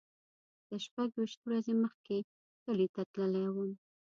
زه شپږ ویشت ورځې مخکې کلی ته تللی وم.